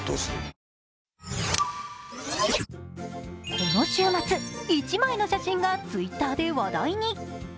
この週末、１枚の写真がＴｗｉｔｔｅｒで話題に。